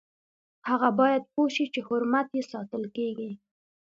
هغه باید پوه شي چې حرمت یې ساتل کیږي.